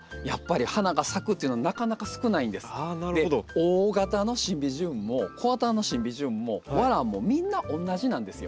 大型のシンビジウムも小型のシンビジウムも和ランもみんなおんなじなんですよ。